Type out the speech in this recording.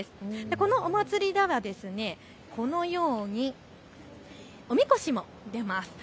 このお祭りではこのようにおみこしも出ます。